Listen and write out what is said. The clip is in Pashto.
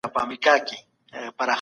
د ټاکنو پایلي څه ډول اعلانیږي؟